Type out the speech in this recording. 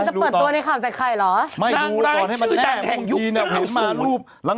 พี่นุ่มจะเปิดตัวในข่าวใจใครหรอนางร้ายชื่อต่างแห่งยุคก็ไม่สูง